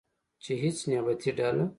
چې هیڅ نیابتي ډله